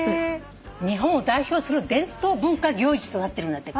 日本を代表する伝統文化行事となってるんだって。